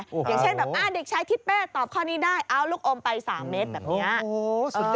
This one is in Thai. อย่างเช่นแบบเด็กชายทิศเป้ตอบข้อนี้ได้เอาลูกอมไป๓เมตรแบบนี้